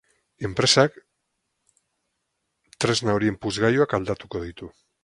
Enpresak tresna horien puzgailuak aldatuko ditu.